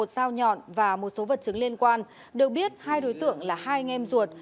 một sao nhọn và một số vật chứng liên quan được biết hai đối tượng là hai nghem ruột